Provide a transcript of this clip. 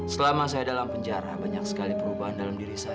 selama saya dalam penjara banyak sekali perubahan dalam diri saya